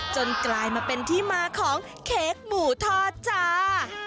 กลายมาเป็นที่มาของเค้กหมูทอดจ้า